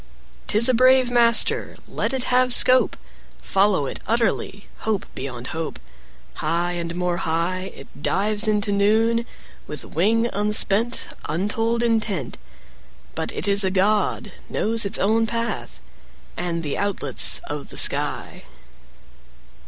'Tis a brave master; Let it have scope: Follow it utterly, Hope beyond hope: 10 High and more high It dives into noon, With wing unspent, Untold intent; But it is a god, 15 Knows its own path, And the outlets of the sky.